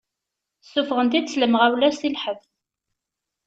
Ssufɣen-t-id s lemɣawla si lḥebs.